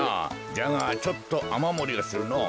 じゃがちょっとあまもりがするのぉ。